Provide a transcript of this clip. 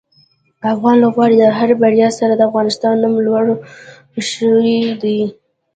د افغان لوبغاړو د هرې بریا سره د افغانستان نوم لوړ شوی دی.